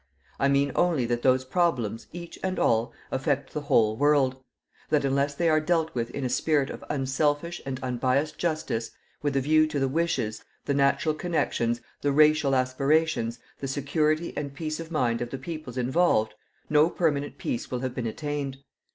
I mean only that those problems, each and all, affect the whole world; that unless they are dealt with in a spirit of unselfish and unbiassed justice, with a view to the wishes, the natural connections, the racial aspirations, the security and peace of mind of the peoples involved, no permanent peace will have been attained.